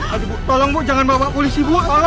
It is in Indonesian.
aduh bu tolong bu jangan bawa polisi bu